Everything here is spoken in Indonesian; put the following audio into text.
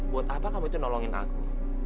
buat apa kamu itu nolongin aku